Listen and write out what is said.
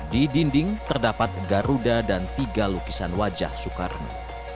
di dinding terdapat garuda dan tiga lukisan wajah soekarno